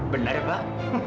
benar ya pak